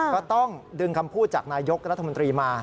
ก็ต้องดึงคำพูดจากนายกรัฐมนตรีมา